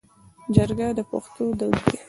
جرګه د پښتنو دود دی